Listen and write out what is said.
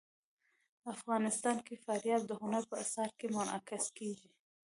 افغانستان کې فاریاب د هنر په اثار کې منعکس کېږي.